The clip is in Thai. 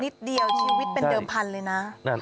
นิดเดียวชีวิตเป็นเดิมพันธุ์เลยนะ